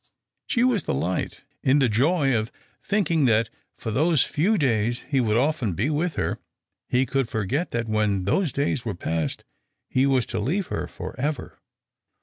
She was the light. In the joy of thinking that for these few days he would often be with her, he could forget that when those days were passed he was to leave her for ever.